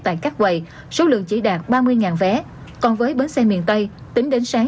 tại các quầy số lượng chỉ đạt ba mươi vé còn với bến xe miền tây tính đến sáng